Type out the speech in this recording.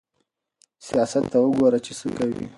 سياست ته وګوره چې څه کوي.